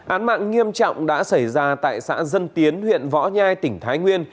án mạng nghiêm trọng đã xảy ra tại xã dân tiến huyện võ nhai tỉnh thái nguyên